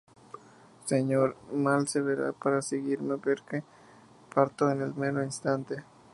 señor, mal se verá para seguirme, porque parto en el mero instante.